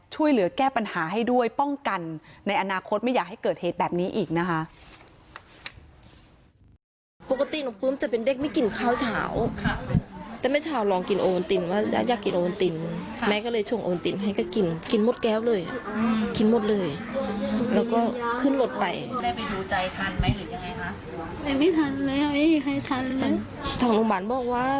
ช่วยเหลือแก้ปัญหาให้ด้วยป้องกันในอนาคตไม่อยากให้เกิดเหตุแบบนี้อีกนะคะ